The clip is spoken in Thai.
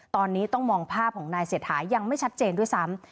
ตอนนี้ต้องมองภาพของนายเศรษฐายังไม่ชัดเจนด้วยซ้ำ